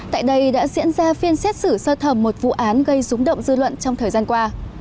tại đây đã diễn ra phiên xét xử sơ thẩm một vụ án gây rúng động dư luận trong thời gian qua